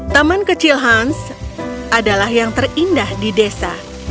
taman kecil hans adalah yang terindah di desa